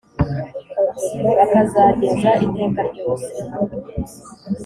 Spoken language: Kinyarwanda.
bakazageza iteka ryose